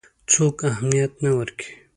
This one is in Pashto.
څوک اهمیت نه ورکوي.